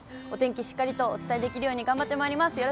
お天気、しっかりとお伝えできるように頑張ってまいります。